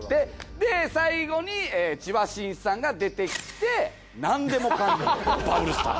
で最後に千葉真一さんが出てきて「何でもかんでもバブルスター」。